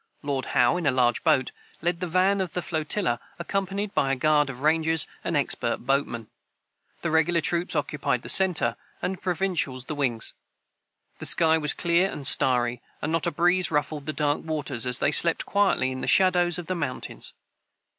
Lord Howe, in a large boat, led the van of the flotilla, accompanied by a guard of rangers and expert boatmen. The regular troops occupied the centre, and the provincials the wings. The sky was clear and starry, and not a breeze ruffled the dark waters as they slept quietly in the shadows of the mountains.